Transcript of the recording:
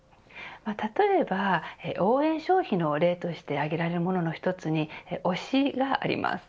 例えば応援消費の例として挙げられるものの１つに推しがあります。